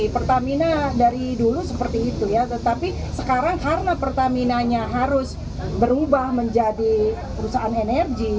pertamina adalah sebuah perusahaan yang berpengaruh untuk menjadikan pertamina sebagai sebuah perusahaan energi